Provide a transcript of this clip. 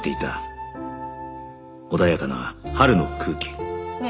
穏やかな春の空気ねえ